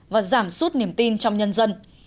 và giảm sút niềm tin trong nhân dân